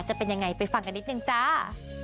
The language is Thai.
จะเป็นยังไงไปฟังกันนิดนึงจ้า